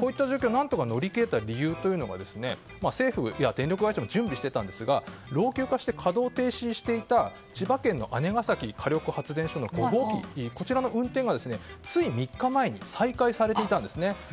こういった状況を何とか乗り切れた理由というのは政府や電力会社も準備していたんですが老朽化して稼働停止していた千葉県の姉崎火力発電所の５号機が運転が、つい３日前に再開されていたんですね。